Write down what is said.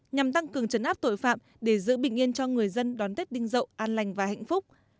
nhằm tăng cường chấn áp tội phạm để giữ bình yên cho người dân đón tết đinh dậu an lành và hạnh phúc